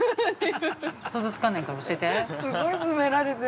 想像つかないから、教えて。